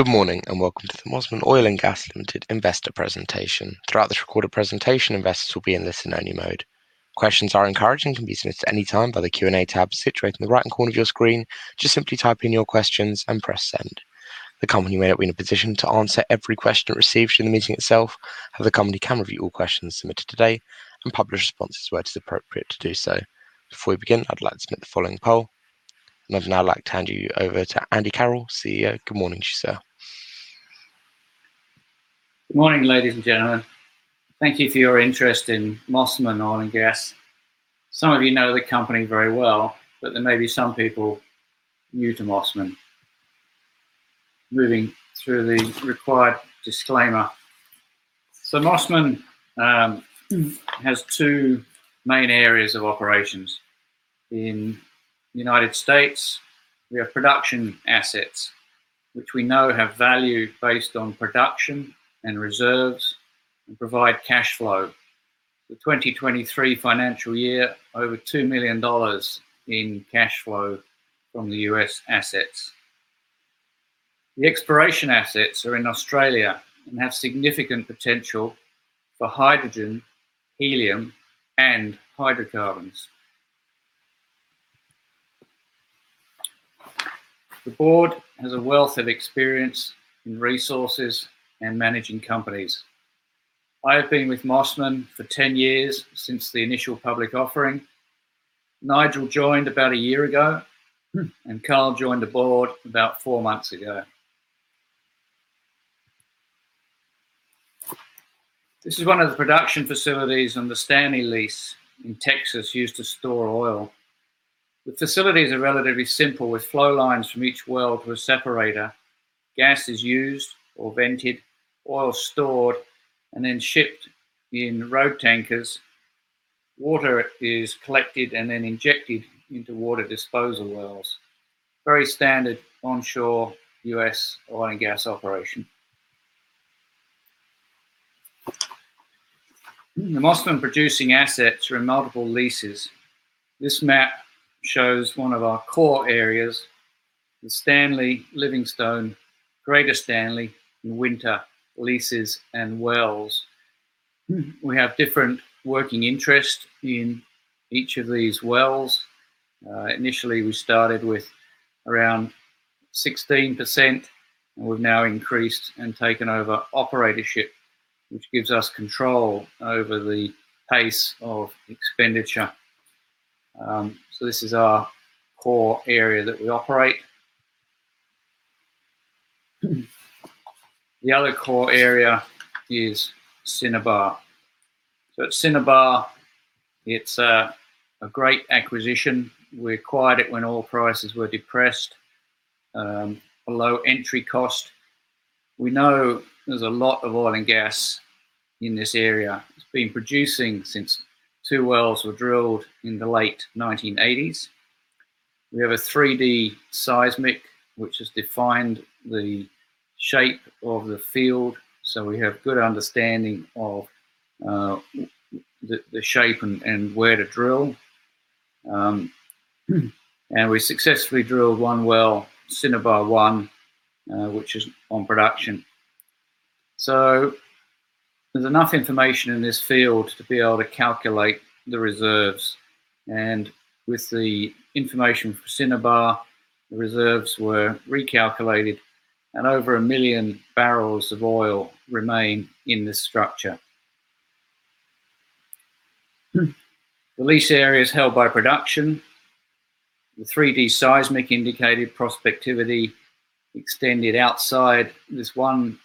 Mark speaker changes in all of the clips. Speaker 1: Good morning and welcome to the Mosman Oil and Gas Limited investor presentation. Throughout this recorded presentation, investors will be in listen-only mode. Questions are encouraged and can be submitted at any time by the Q&A tab situated in the right-hand corner of your screen. Just simply type in your questions and press send. The company may not be in a position to answer every question it receives during the meeting itself. However, the company can review all questions submitted today and publish responses where it is appropriate to do so. Before we begin, I'd like to submit the following poll. I'd now like to hand you over to Andy Carroll, CEO. Good morning to you, sir.
Speaker 2: Good morning, ladies and gentlemen. Thank you for your interest in Mosman Oil and Gas. Some of you know the company very well, but there may be some people new to Mosman. Moving through the required disclaimer. Mosman has two main areas of operations. In the United States, we have production assets which we know have value based on production and reserves and provide cash flow. The 2023 financial year, over $2 million in cash flow from the U.S. assets. The exploration assets are in Australia and have significant potential for hydrogen, helium and hydrocarbons. The Board has a wealth of experience in resources and managing companies. I have been with Mosman for 10 years, since the initial public offering. Nigel joined about a year ago, and Carl joined the Board about four months ago. This is one of the production facilities on the Stanley lease in Texas used to store oil. The facilities are relatively simple, with flow lines from each well to a separator. Gas is used or vented, oil stored and then shipped in road tankers. Water is collected and then injected into water disposal wells. Very standard onshore U.S. oil and gas operation. The Mosman producing assets are in multiple leases. This map shows one of our core areas, the Stanley, Livingston, Greater Stanley and Winter leases and wells. We have different working interest in each of these wells. Initially, we started with around 16%, and we've now increased and taken over operatorship, which gives us control over the pace of expenditure. This is our core area that we operate. The other core area is Cinnabar. At Cinnabar, it's a great acquisition. We acquired it when oil prices were depressed, a low entry cost. We know there's a lot of oil and gas in this area. It's been producing since two wells were drilled in the late 1980s. We have a 3D seismic, which has defined the shape of the field, so we have good understanding of the shape and where to drill. We successfully drilled one well, Cinnabar-1, which is on production. There's enough information in this field to be able to calculate the reserves. With the information for Cinnabar, the reserves were recalculated and over 1 million barrels of oil remain in this structure. The lease area is held by production. The 3D seismic indicated prospectivity extended outside this one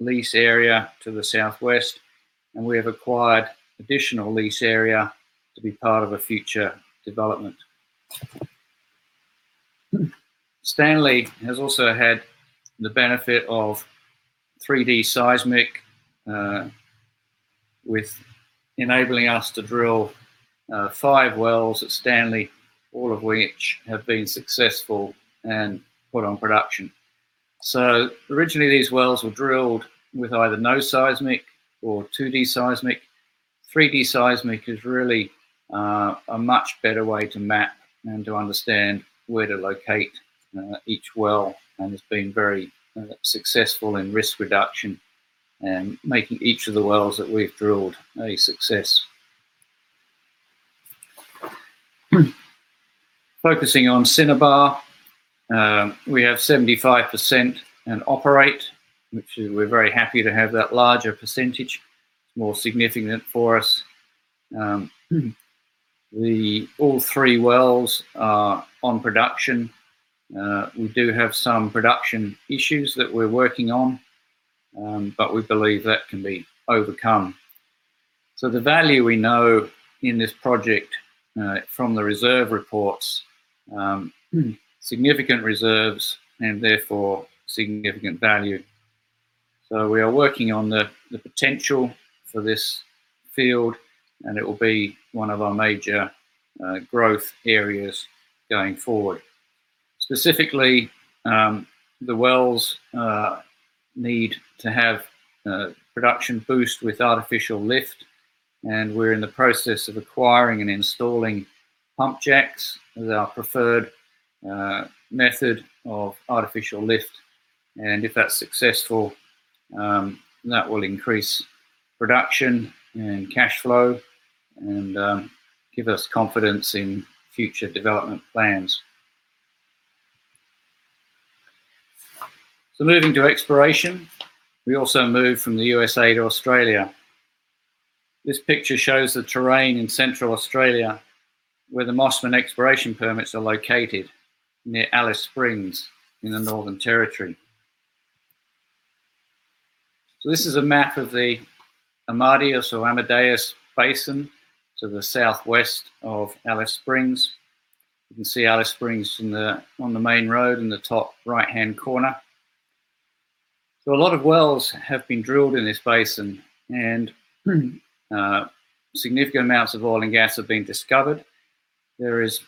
Speaker 2: lease area to the southwest, and we have acquired additional lease area to be part of a future development. Stanley has also had the benefit of 3D seismic, with enabling us to drill five wells at Stanley, all of which have been successful and put on production. Originally these wells were drilled with either no seismic or 2D seismic. 3D seismic is really a much better way to map and to understand where to locate each well and has been very successful in risk reduction and making each of the wells that we've drilled a success. Focusing on Cinnabar, we have 75% and operate, which we're very happy to have that larger percentage. It's more significant for us. All three wells are on production. We do have some production issues that we're working on, but we believe that can be overcome. The value we know in this project from the reserve reports, significant reserves and therefore significant value. We are working on the potential for this field, and it will be one of our major growth areas going forward. Specifically, the wells need to have a production boost with artificial lift, and we're in the process of acquiring and installing pump jacks as our preferred method of artificial lift. If that's successful, that will increase production and cash flow and give us confidence in future development plans. Moving to exploration, we also moved from the U.S. to Australia. This picture shows the terrain in Central Australia, where the Mosman exploration permits are located near Alice Springs in the Northern Territory. This is a map of the Amadeus Basin to the southwest of Alice Springs. You can see Alice Springs on the main road in the top right-hand corner. A lot of wells have been drilled in this basin and significant amounts of oil and gas have been discovered. There has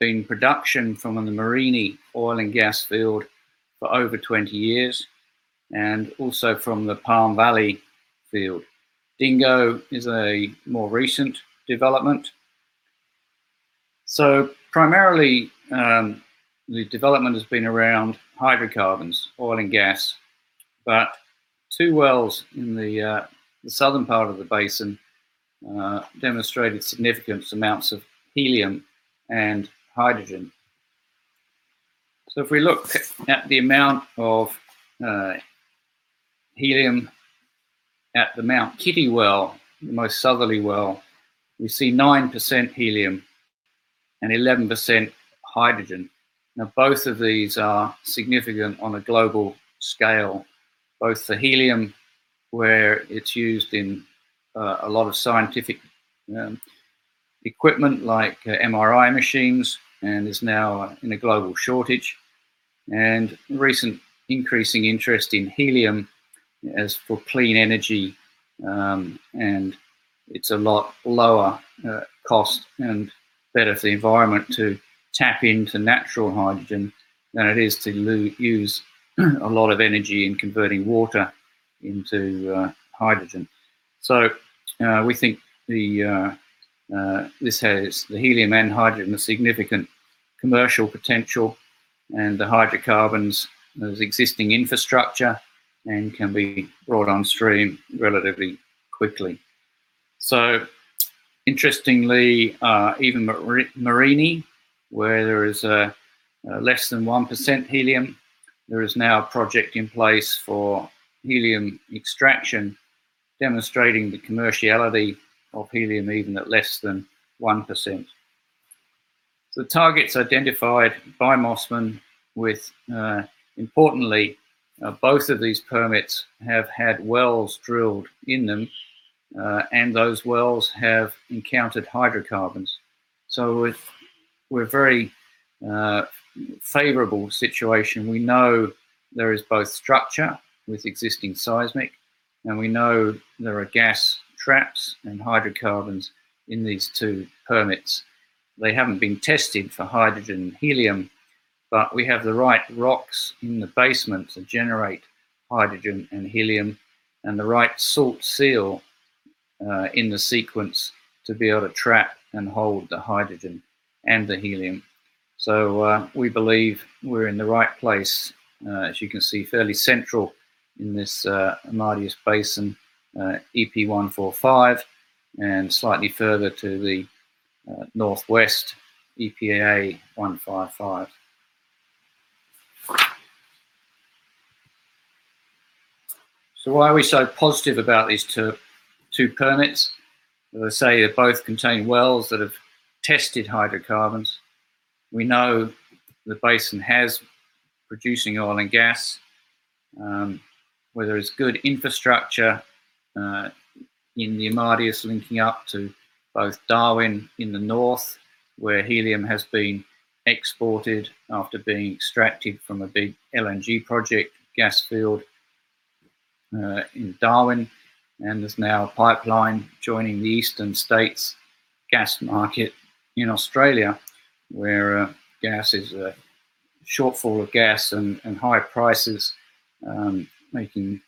Speaker 2: been production from the Mereenie oil and gas field for over 20 years, and also from the Palm Valley field. Dingo is a more recent development. Primarily, the development has been around hydrocarbons, oil and gas. Two wells in the southern part of the basin demonstrated significant amounts of helium and hydrogen. If we look at the amount of helium at the Mt Kitty well, the most southerly well, we see 9% helium and 11% hydrogen. Now, both of these are significant on a global scale, both the helium, where it's used in a lot of scientific equipment like MRI machines and is now in a global shortage. Recent increasing interest in helium is for clean energy, and it's a lot lower cost and better for the environment to tap into natural hydrogen than it is to use a lot of energy in converting water into hydrogen. We think this has, the helium and hydrogen, a significant commercial potential. The hydrocarbons, there's existing infrastructure and can be brought on stream relatively quickly. Interestingly, even Mereenie, where there is less than 1% helium, there is now a project in place for helium extraction, demonstrating the commerciality of helium even at less than 1%. The targets identified by Mosman with, importantly, both of these permits have had wells drilled in them. Those wells have encountered hydrocarbons. We're a very favorable situation. We know there is both structure with existing seismic, and we know there are gas traps and hydrocarbons in these two permits. They haven't been tested for hydrogen and helium. We have the right rocks in the basement to generate hydrogen and helium and the right salt seal in the sequence to be able to trap and hold the hydrogen and the helium. We believe we're in the right place. As you can see, fairly central in this Amadeus Basin, EP-145, and slightly further to the northwest, EP-155. Why are we so positive about these two permits? As I say, they both contain wells that have tested hydrocarbons. We know the basin has producing oil and gas, where there is good infrastructure in the Amadeus linking up to both Darwin in the north, where helium has been exported after being extracted from a big LNG project gas field in Darwin. There's now a pipeline joining the Eastern States' gas market in Australia, where gas is a shortfall of gas and high prices making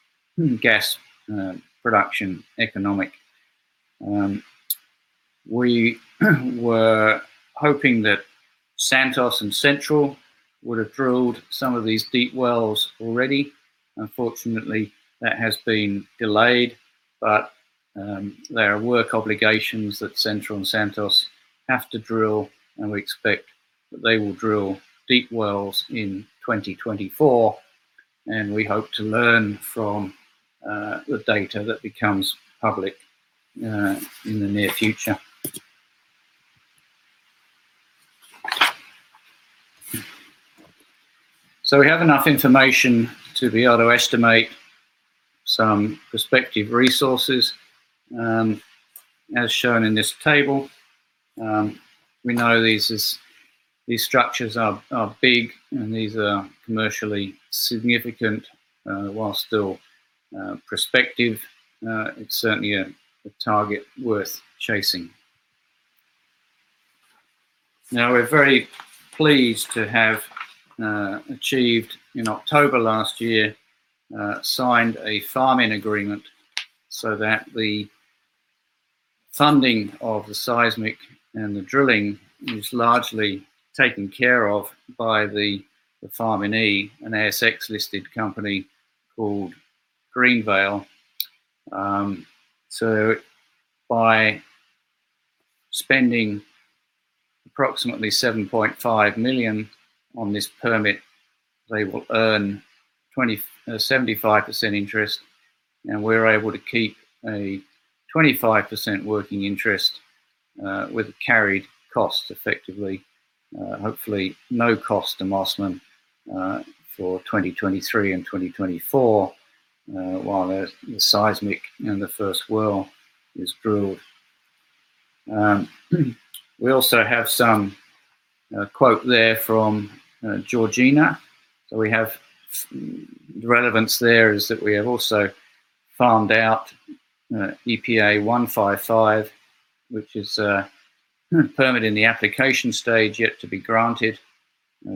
Speaker 2: gas production economic. We were hoping that Santos and Central would have drilled some of these deep wells already. Unfortunately, that has been delayed, but there are work obligations that Central and Santos have to drill, and we expect that they will drill deep wells in 2024. We hope to learn from the data that becomes public in the near future. We have enough information to be able to estimate some prospective resources, as shown in this table. We know these structures are big and these are commercially significant, while still prospective. It's certainly a target worth chasing. Now we're very pleased to have, in October last year, signed a farm-in agreement so that the funding of the seismic and the drilling is largely taken care of by the farminee, an ASX-listed company called Greenvale. By spending approximately 7.5 million on this permit, they will earn 75% interest, and we're able to keep a 25% working interest with carried costs effectively. Hopefully no cost to Mosman for 2023 and 2024, while the seismic and the first well is drilled. We also have some quote there from Georgina. The relevance there is that we have also farmed out EPA 155, which is a permit in the application stage, yet to be granted.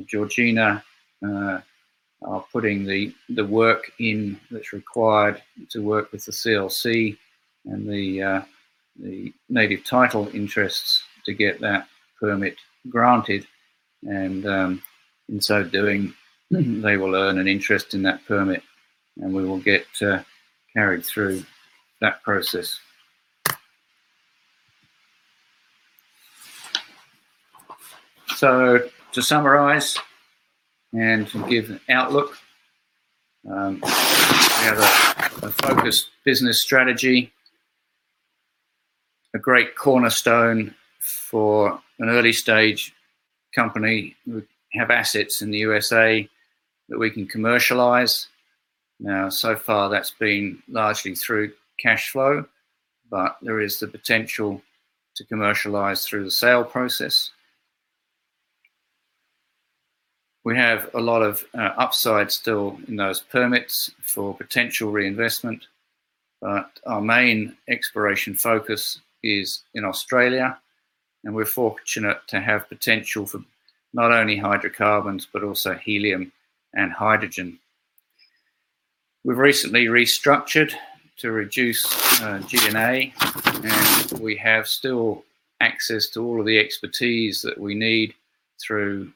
Speaker 2: Georgina are putting the work in that's required to work with the CLC and the native title interests to get that permit granted and in so doing, they will earn an interest in that permit and we will get carried through that process. To summarize and to give an outlook, we have a focused business strategy, a great cornerstone for an early-stage company. We have assets in the U.S.A. that we can commercialize. Now, so far, that's been largely through cash flow, but there is the potential to commercialize through the sale process. We have a lot of upside still in those permits for potential reinvestment. Our main exploration focus is in Australia, and we're fortunate to have potential for not only hydrocarbons, but also helium and hydrogen. We've recently restructured to reduce G&A, and we have still access to all of the expertise that we need through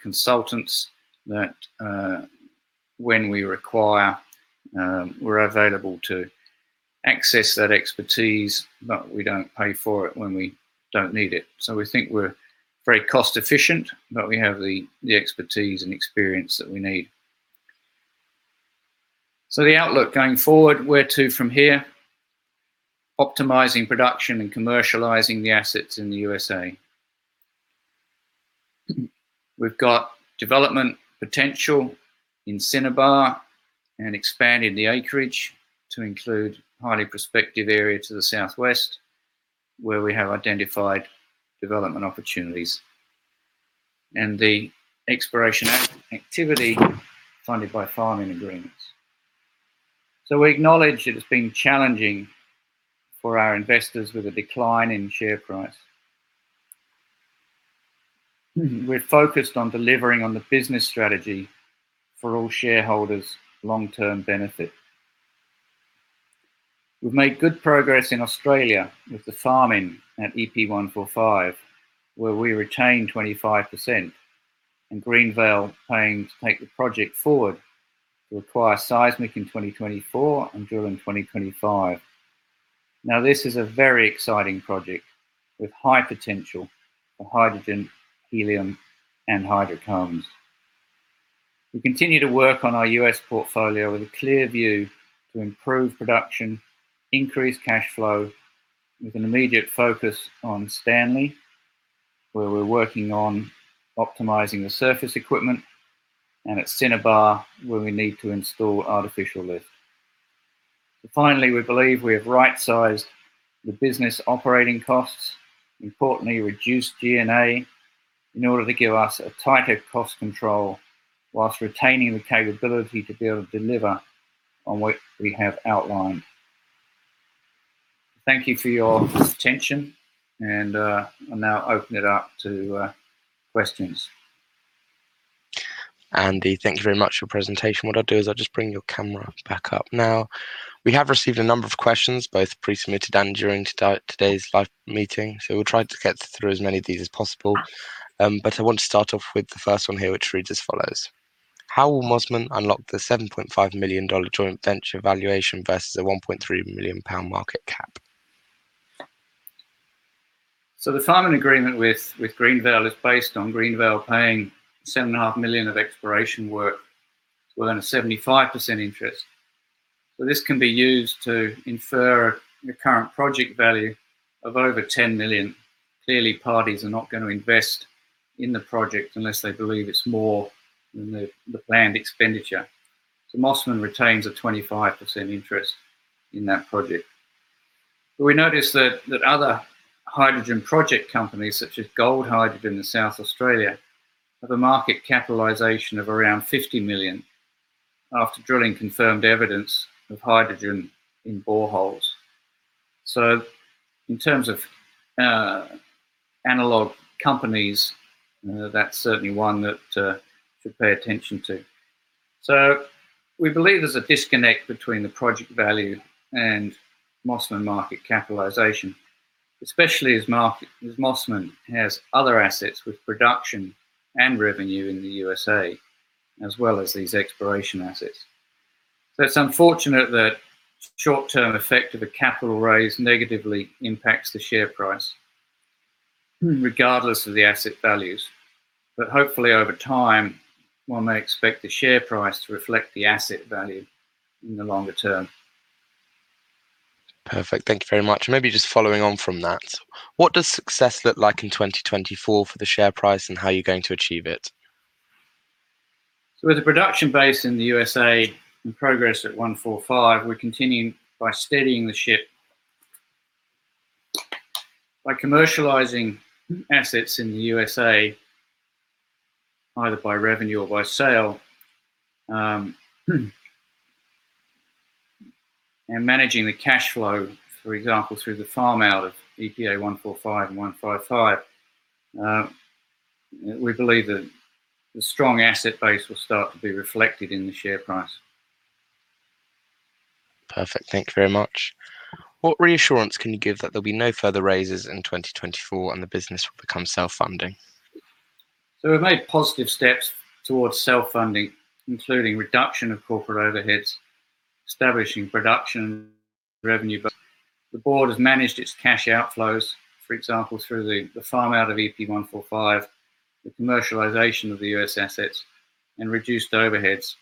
Speaker 2: consultants that, when we require, we're available to access that expertise. We don't pay for it when we don't need it. We think we're very cost efficient, but we have the expertise and experience that we need. The outlook going forward, where to from here? Optimizing production and commercializing the assets in the U.S., we've got development potential in Cinnabar and expanding the acreage to include highly prospective area to the southwest, where we have identified development opportunities, and the exploration activity funded by farm-in agreements. We acknowledge it has been challenging for our investors with a decline in share price. We're focused on delivering on the business strategy for all shareholders' long-term benefit. We've made good progress in Australia with the farm-in at EP-145, where we retain 25% and Greenvale paying to take the project forward to acquire seismic in 2024 and drill in 2025. Now, this is a very exciting project with high potential for hydrogen, helium, and hydrocarbons. We continue to work on our U.S. portfolio with a clear view to improve production, increase cash flow, with an immediate focus on Stanley, where we're working on optimizing the surface equipment, and at Cinnabar, where we need to install artificial lift. Finally, we believe we have right-sized the business operating costs. Importantly, reduced G&A in order to give us a tighter cost control whilst retaining the capability to be able to deliver on what we have outlined. Thank you for your attention and I'll now open it up to questions.
Speaker 1: Andy, thank you very much for your presentation. What I'll do is I'll just bring your camera back up. Now, we have received a number of questions, both pre-submitted and during today's live meeting. We'll try to get through as many of these as possible. I want to start off with the first one here, which reads as follows. How will Mosman unlock the 7.5 million dollar joint venture valuation versus a 1.3 million pound market cap?
Speaker 2: The farm-in agreement with Greenvale is based on Greenvale paying 7,500,000 of exploration work within a 75% interest. This can be used to infer a current project value of over 10 million. Clearly, parties are not going to invest in the project unless they believe it's more than the planned expenditure. Mosman retains a 25% interest in that project. We notice that other hydrogen project companies such as Gold Hydrogen in South Australia, have a market capitalization of around 50 million after drilling confirmed evidence of hydrogen in boreholes. In terms of analog companies, that's certainly one to pay attention to. We believe there's a disconnect between the project value and Mosman market capitalization, especially as Mosman has other assets with production and revenue in the USA, as well as these exploration assets. It's unfortunate that short-term effect of a capital raise negatively impacts the share price regardless of the asset values. Hopefully over time, one may expect the share price to reflect the asset value in the longer term.
Speaker 1: Perfect. Thank you very much. Maybe just following on from that, what does success look like in 2024 for the share price, and how are you going to achieve it?
Speaker 2: With the production base in the U.S. and progress at 145, we're continuing by steadying the ship. By commercializing assets in the U.S., either by revenue or by sale, and managing the cash flow, for example, through the farm-out of EP-145 and 155. We believe that the strong asset base will start to be reflected in the share price.
Speaker 1: Perfect. Thank you very much. What reassurance can you give that there'll be no further raises in 2024 and the business will become self-funding?
Speaker 2: We've made positive steps towards self-funding, including reduction of corporate overheads, establishing production revenue. The Board has managed its cash outflows, for example, through the farm-out of EP-145, the commercialization of the U.S. assets, and reduced overheads.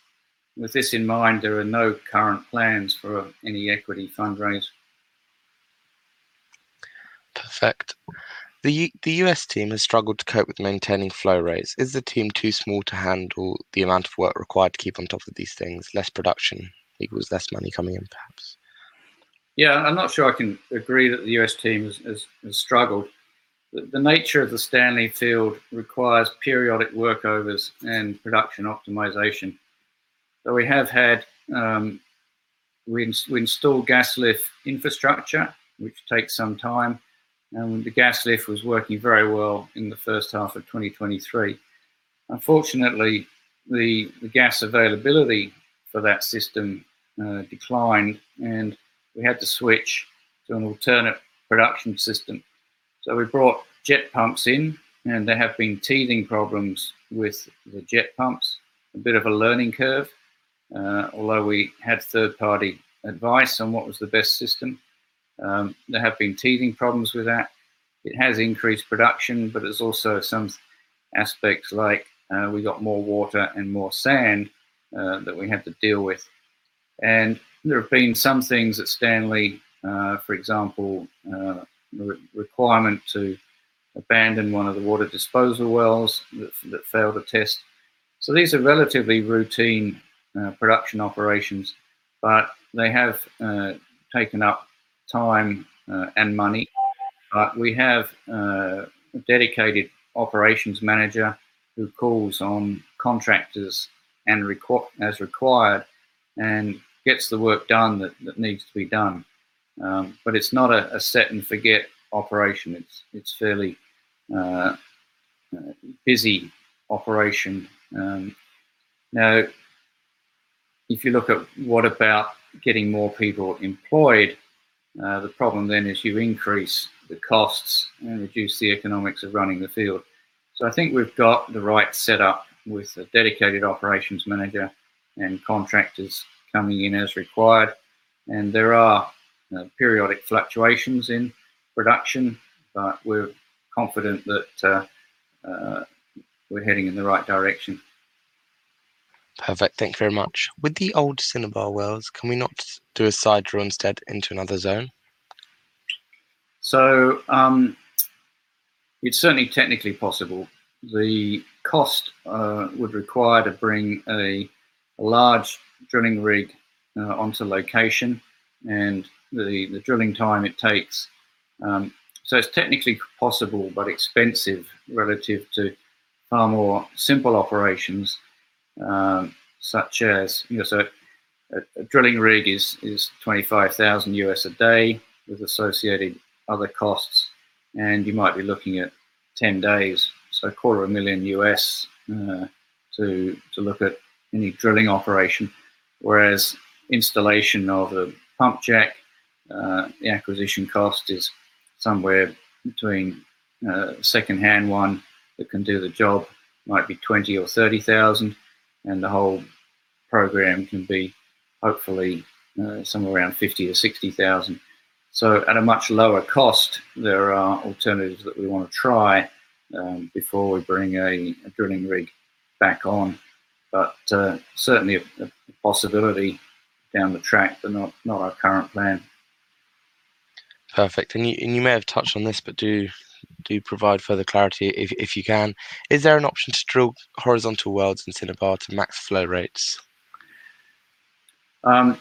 Speaker 2: With this in mind, there are no current plans for any equity fundraise.
Speaker 1: Perfect. The U.S. team has struggled to cope with maintaining flow rates. Is the team too small to handle the amount of work required to keep on top of these things? Less production equals less money coming in, perhaps.
Speaker 2: Yeah. I'm not sure I can agree that the U.S. team has struggled. The nature of the Stanley field requires periodic workovers and production optimization. We installed gas lift infrastructure, which takes some time, and the gas lift was working very well in the first half of 2023. Unfortunately, the gas availability for that system declined, and we had to switch to an alternate production system. We brought jet pumps in, and there have been teething problems with the jet pumps, a bit of a learning curve. Although we had third-party advice on what was the best system, there have been teething problems with that. It has increased production, but there's also some aspects like we got more water and more sand that we have to deal with. There have been some things at Stanley, for example, the requirement to abandon one of the water disposal wells that failed a test. These are relatively routine production operations, but they have taken up time and money. We have a dedicated operations manager who calls on contractors as required and gets the work done that needs to be done. It's not a set-and-forget operation. It's fairly busy operation. Now, if you look at what about getting more people employed, the problem then is you increase the costs and reduce the economics of running the field. I think we've got the right setup with a dedicated operations manager and contractors coming in as required. There are periodic fluctuations in production, but we're confident that we're heading in the right direction.
Speaker 1: Perfect. Thank you very much. With the old Cinnabar wells, can we not do a side drill instead into another zone?
Speaker 2: It's certainly technically possible. The cost would require to bring a large drilling rig onto location and the drilling time it takes. It's technically possible but expensive relative to far more simple operations. A drilling rig is $25,000 a day with associated other costs. You might be looking at 10 days, so a quarter of a million U.S. dollars to look at any drilling operation. Whereas installation of a pump jack, the acquisition cost is somewhere between a secondhand one that can do the job might be $20,000-$30,000, and the whole program can be hopefully somewhere around $50,000-$60,000. At a much lower cost, there are alternatives that we want to try before we bring a drilling rig back on. Certainly a possibility down the track, but not our current plan.
Speaker 1: Perfect. You may have touched on this, but do provide further clarity if you can. Is there an option to drill horizontal wells in Cinnabar to max flow rates?
Speaker 2: Yeah,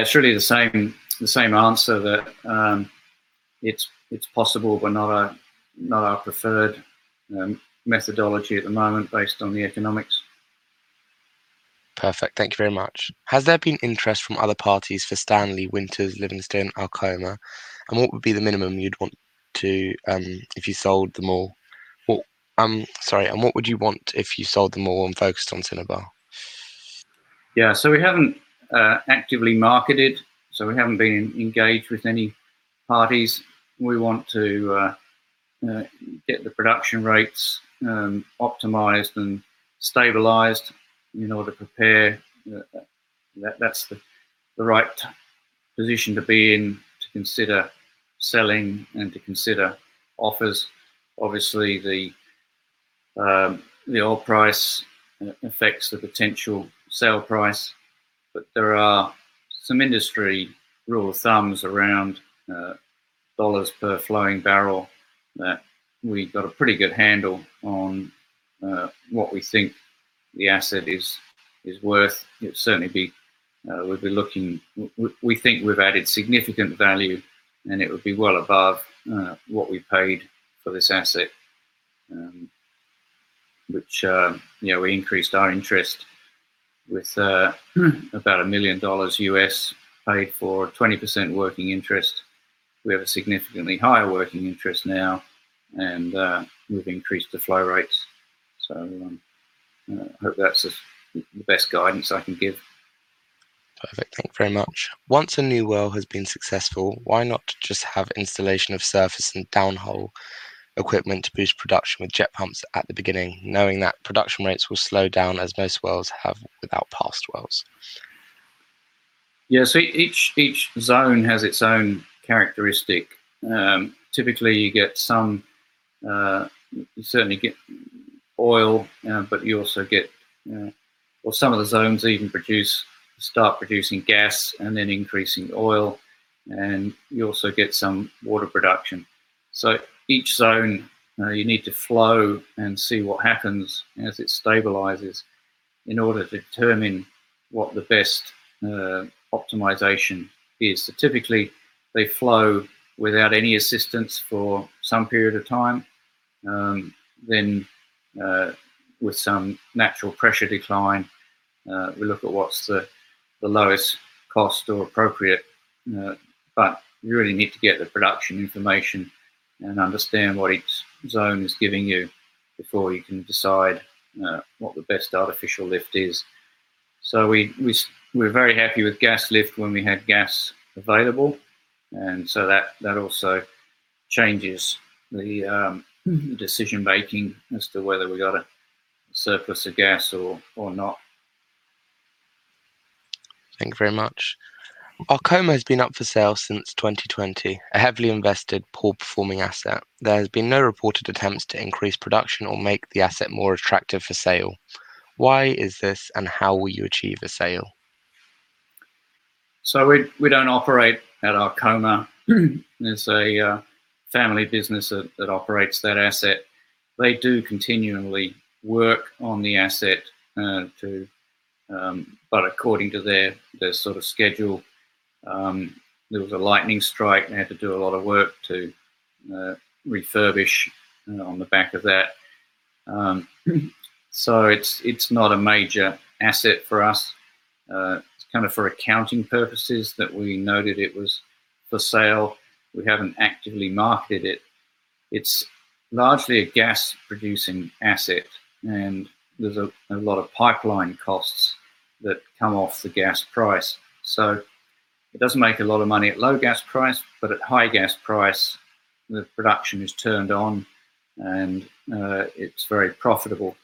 Speaker 2: it's really the same answer that it's possible, but not our preferred methodology at the moment based on the economics.
Speaker 1: Perfect. Thank you very much. Has there been interest from other parties for Stanley, Winter, Livingston, Arkoma? What would be the minimum you'd want if you sold them all? Sorry, and what would you want if you sold them all and focused on Cinnabar?
Speaker 2: Yeah. We haven't actively marketed, so we haven't been engaged with any parties. We want to get the production rates optimized and stabilized in order to prepare. That's the right position to be in to consider selling and to consider offers. Obviously, the oil price affects the potential sale price. There are some industry rule of thumbs around dollars per flowing barrel that we've got a pretty good handle on what we think the asset is worth. We think we've added significant value, and it would be well above what we paid for this asset, which we increased our interest with about $1 million paid for 20% working interest. We have a significantly higher working interest now, and we've increased the flow rates. I hope that's the best guidance I can give.
Speaker 1: Perfect. Thank you very much. Once a new well has been successful, why not just have installation of surface and downhole equipment to boost production with jet pumps at the beginning, knowing that production rates will slow down as most wells have with our past wells?
Speaker 2: Yeah. Each zone has its own characteristic. Typically, you certainly get oil. Well, some of the zones even start producing gas and then increasing oil, and you also get some water production. Each zone, you need to flow and see what happens as it stabilizes in order to determine what the best optimization is. Typically, they flow without any assistance for some period of time. With some natural pressure decline, we look at what's the lowest cost or appropriate. You really need to get the production information and understand what each zone is giving you before you can decide what the best artificial lift is. We're very happy with gas lift when we had gas available. That also changes the decision-making as to whether we got to surface a gas or not.
Speaker 1: Thank you very much. Arkoma has been up for sale since 2020, a heavily invested, poor-performing asset. There has been no reported attempts to increase production or make the asset more attractive for sale. Why is this, and how will you achieve a sale?
Speaker 2: We don't operate at Arkoma. It's a family business that operates that asset. They do continually work on the asset. According to their sort of schedule, there was a lightning strike and they had to do a lot of work to refurbish on the back of that. It's not a major asset for us. It's kind of for accounting purposes that we noted it was for sale. We haven't actively marketed it. It's largely a gas-producing asset, and there's a lot of pipeline costs that come off the gas price. It doesn't make a lot of money at low gas price, but at high gas price, the production is turned on and it's very profitable.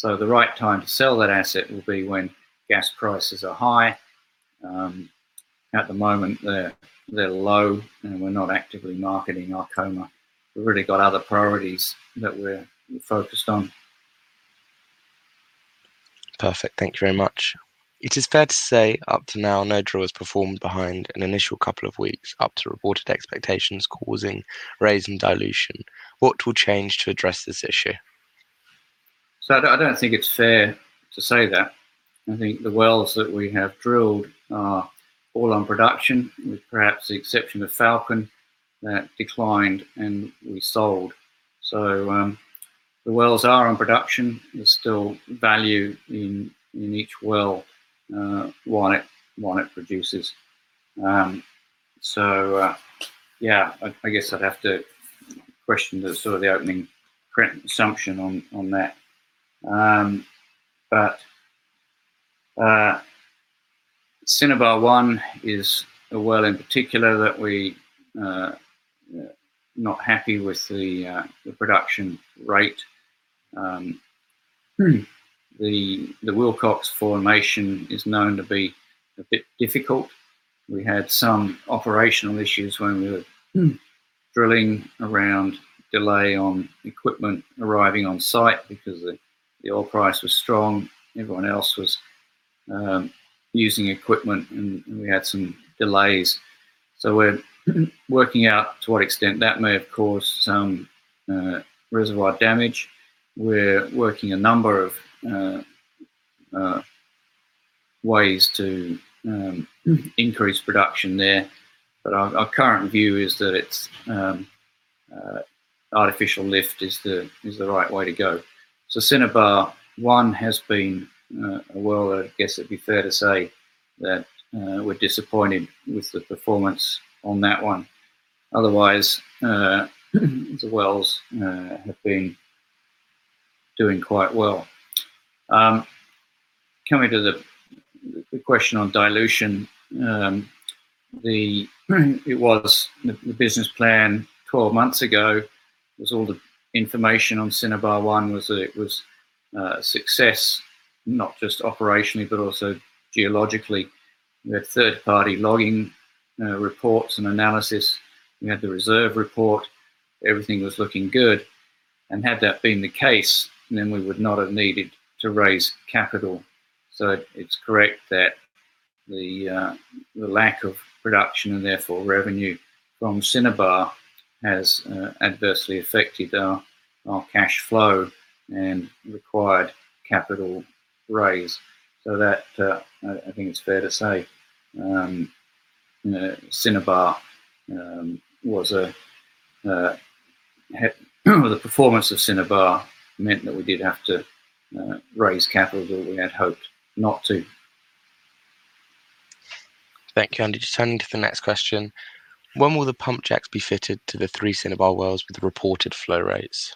Speaker 2: The right time to sell that asset will be when gas prices are high. At the moment, they're low and we're not actively marketing Arkoma. We've already got other priorities that we're focused on.
Speaker 1: Perfect. Thank you very much. It is fair to say, up to now, Nodril has performed behind an initial couple of weeks up to reported expectations, causing raise in dilution. What will change to address this issue?
Speaker 2: I don't think it's fair to say that. I think the wells that we have drilled are all on production, with perhaps the exception of Falcon, that declined and we sold. The wells are on production. There's still value in each well while it produces. Yeah. I guess I'd have to question sort of the opening assumption on that. Cinnabar-1 is a well in particular that we're not happy with the production rate. The Wilcox formation is known to be a bit difficult. We had some operational issues when we were drilling, around delay on equipment arriving on site because the oil price was strong. Everyone else was using equipment, and we had some delays. We're working out to what extent that may have caused some reservoir damage. We're working a number of ways to increase production there. Our current view is that artificial lift is the right way to go. Cinnabar-1 has been a well that I guess it'd be fair to say that we're disappointed with the performance on that one. Otherwise, the wells have been doing quite well. Coming to the question on dilution. It was the business plan 12 months ago. All the information on Cinnabar-1 was that it was a success, not just operationally, but also geologically. We had third-party logging reports and analysis. We had the reserve report. Everything was looking good. Had that been the case, then we would not have needed to raise capital. It's correct that the lack of production and therefore revenue from Cinnabar has adversely affected our cash flow and required capital raise. I think it's fair to say, the performance of Cinnabar meant that we did have to raise capital that we had hoped not to.
Speaker 1: Thank you. Just turning to the next question, when will the pump jacks be fitted to the three Cinnabar wells with reported flow rates?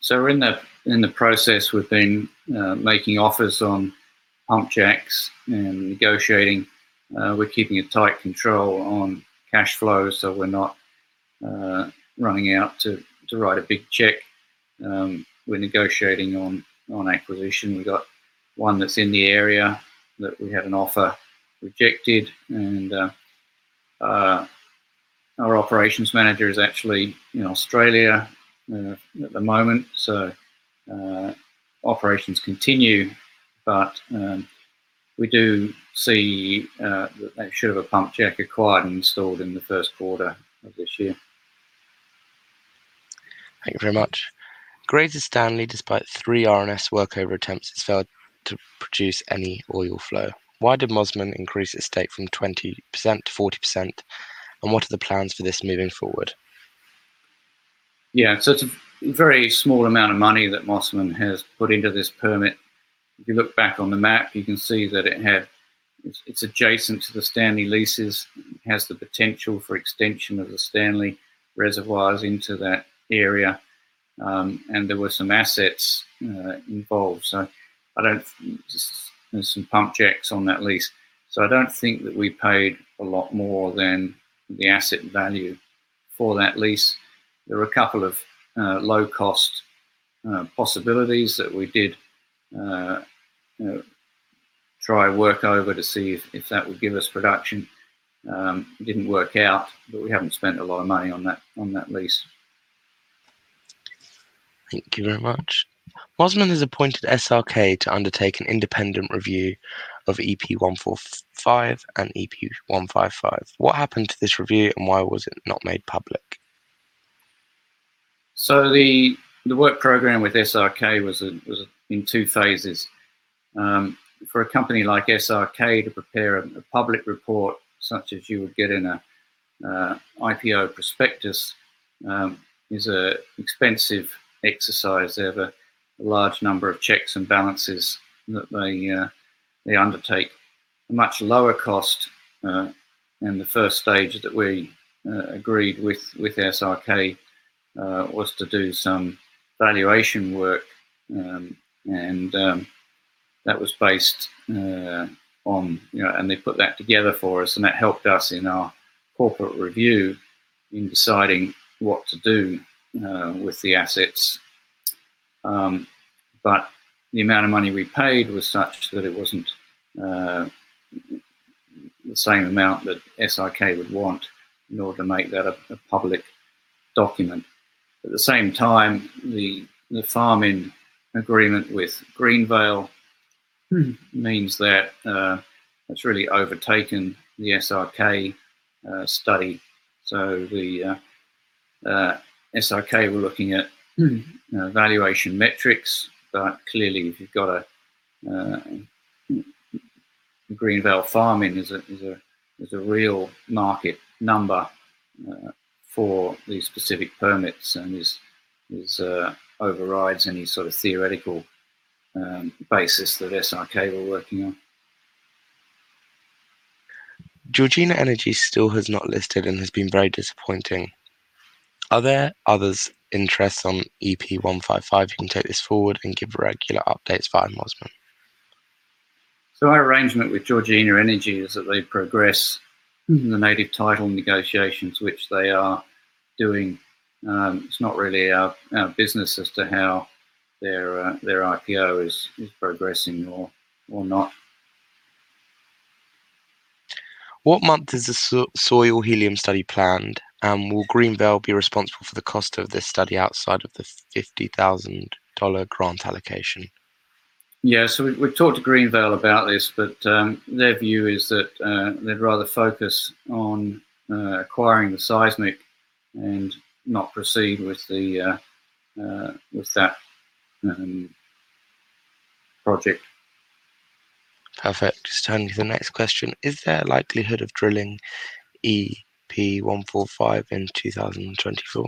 Speaker 2: So we're in the process. We've been making offers on pump jacks and negotiating. We're keeping a tight control on cash flows, so we're not running out to write a big check. We're negotiating on acquisition. We got one that's in the area that we had an offer rejected. And our operations manager is actually in Australia at the moment. So, operations continue, but we do see that they should have a pump jack acquired and installed in the first quarter of this year.
Speaker 1: Thank you very much. Greater Stanley, despite three RNS workover attempts, has failed to produce any oil flow. Why did Mosman increase its stake from 20%-40%? What are the plans for this moving forward?
Speaker 2: Yeah. It's a very small amount of money that Mosman has put into this permit. If you look back on the map, you can see that it's adjacent to the Stanley leases. It has the potential for extension of the Stanley reservoirs into that area. There were some assets involved. There's some pump jacks on that lease. I don't think that we paid a lot more than the asset value for that lease. There were a couple of low-cost possibilities that we did try workover to see if that would give us production. They didn't work out, but we haven't spent a lot of money on that lease.
Speaker 1: Thank you very much. Mosman has appointed SRK to undertake an independent review of EP-145 and EP-155. What happened to this review, and why was it not made public?
Speaker 2: The work program with SRK was in two phases. For a company like SRK to prepare a public report such as you would get in a IPO prospectus is a expensive exercise. They have a large number of checks and balances that they undertake. A much lower cost in the first stage that we agreed with SRK was to do some valuation work. They put that together for us, and that helped us in our corporate review in deciding what to do with the assets. The amount of money we paid was such that it wasn't the same amount that SRK would want in order to make that a public document. At the same time, the farm-in agreement with Greenvale means that it's really overtaken the SRK study. The SRK were looking at valuation metrics. Clearly, if you've got a Greenvale farm-in, is a real market number for these specific permits and overrides any sort of theoretical basis that SRK were working on.
Speaker 1: Georgina Energy still has not listed and has been very disappointing. Are there other interests on EP-155 who can take this forward and give regular updates via Mosman?
Speaker 2: Our arrangement with Georgina Energy is that they progress the native title negotiations, which they are doing. It's not really our business as to how their IPO is progressing or not.
Speaker 1: What month is the soil helium study planned? Will Greenvale be responsible for the cost of this study outside of the $50,000 grant allocation?
Speaker 2: Yeah. We've talked to Greenvale about this, but their view is that they'd rather focus on acquiring the seismic and not proceed with that project.
Speaker 1: Perfect. Just turning to the next question. Is there a likelihood of drilling EP-145 in 2024?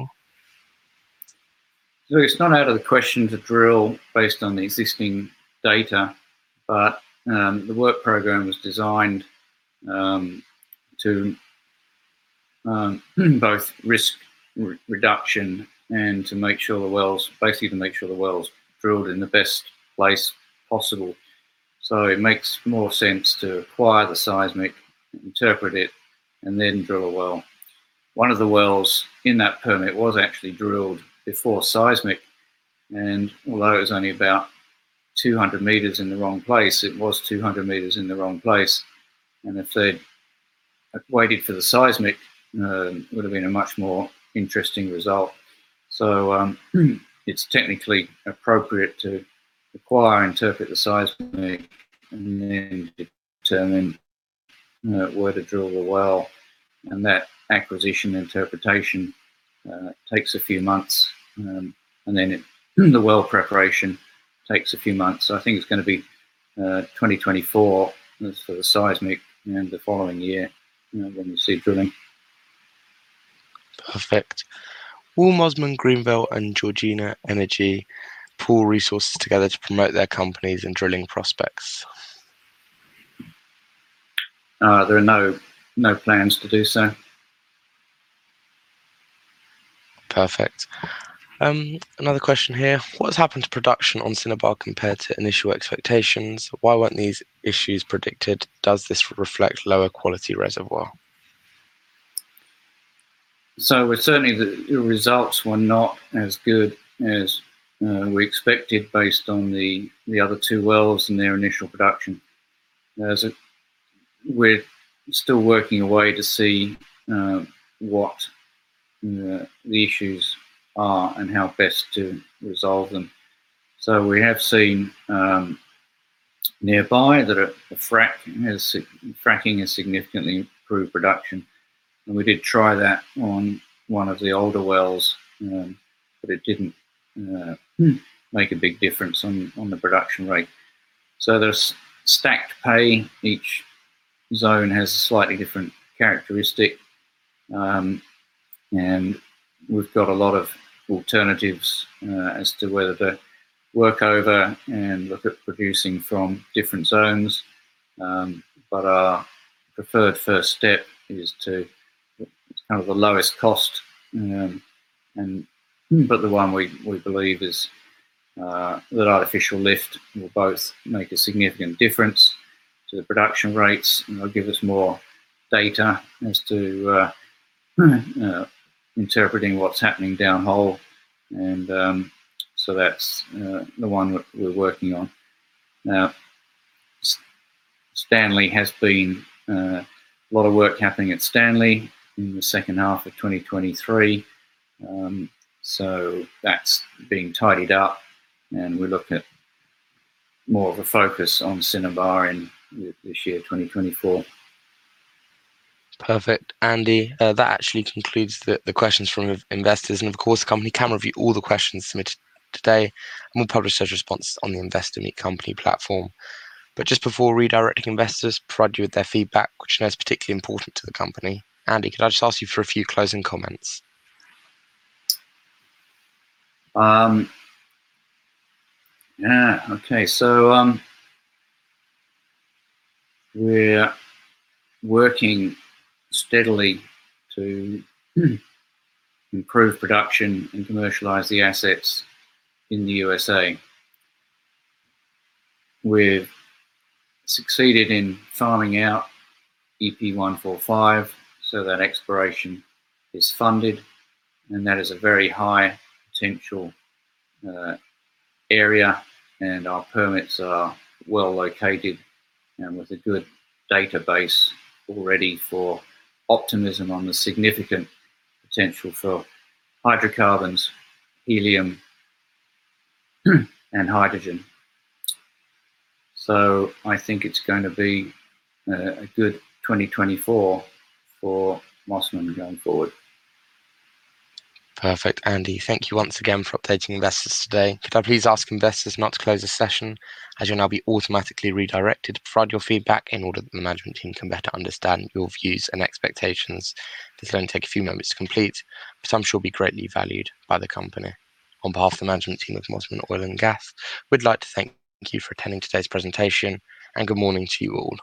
Speaker 2: Look, it's not out of the question to drill based on the existing data. The work program was designed to both risk reduction and basically to make sure the well's drilled in the best place possible. It makes more sense to acquire the seismic, interpret it, and then drill a well. One of the wells in that permit was actually drilled before seismic, and although it was only about 200 m in the wrong place, it was 200 m in the wrong place. If they had waited for the seismic, it would've been a much more interesting result. It's technically appropriate to acquire and interpret the seismic and then determine where to drill the well. That acquisition interpretation takes a few months. The well preparation takes a few months. I think it's going to be 2024 for the seismic and the following year when we see drilling.
Speaker 1: Perfect. Will Mosman, Greenvale, and Georgina Energy pool resources together to promote their companies and drilling prospects?
Speaker 2: There are no plans to do so.
Speaker 1: Perfect. Another question here. What has happened to production on Cinnabar compared to initial expectations? Why weren't these issues predicted? Does this reflect lower quality reservoir?
Speaker 2: Certainly, the results were not as good as we expected based on the other two wells and their initial production. We're still working a way to see what the issues are and how best to resolve them. We have seen nearby that fracking has significantly improved production, and we did try that on one of the older wells. It didn't make a big difference on the production rate. There's stacked pay. Each zone has a slightly different characteristic. We've got a lot of alternatives as to whether to work over and look at producing from different zones. Our preferred first step is kind of the lowest cost. The one we believe is that artificial lift will both make a significant difference to the production rates and will give us more data as to interpreting what's happening downhole. That's the one that we're working on now. A lot of work happening at Stanley in the second half of 2023. That's being tidied up and we're looking at more of a focus on Cinnabar in this year, 2024.
Speaker 1: Perfect. Andy, that actually concludes the questions from investors. Of course, the company can review all the questions submitted today, and we'll publish those responses on the Investor Meet Company platform. Just before redirecting investors, provide you with their feedback, which I know is particularly important to the company. Andy, could I just ask you for a few closing comments?
Speaker 2: Yeah. Okay. We're working steadily to improve production and commercialize the assets in the USA. We've succeeded in farming out EP-145, so that exploration is funded, and that is a very high potential area. Our permits are well located and with a good database already for optimism on the significant potential for hydrocarbons, helium, and hydrogen. I think it's going to be a good 2024 for Mosman going forward.
Speaker 1: Perfect. Andy, thank you once again for updating investors today. Could I please ask investors not to close the session as you'll now be automatically redirected to provide your feedback in order that the Management Team can better understand your views and expectations. This will only take a few moments to complete, but I'm sure it will be greatly valued by the company. On behalf of the Management Team of Mosman Oil and Gas, we'd like to thank you for attending today's presentation, and good morning to you all.